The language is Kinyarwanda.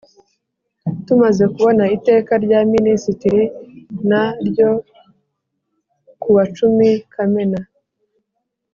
Tumaze kubona Iteka rya Minisitiri n ryo kuwa cumi kamena